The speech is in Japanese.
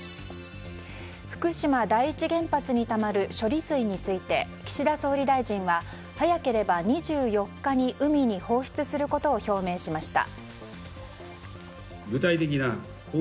福島第一原発にたまる処理水について岸田総理大臣は早ければ２４日に海に放出することを表明しました。